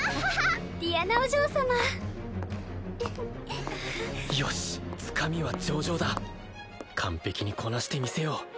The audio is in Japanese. ティアナお嬢様よしっつかみは上々だ完璧にこなしてみせよう